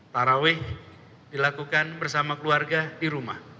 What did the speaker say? tarawih dilakukan bersama keluarga di rumah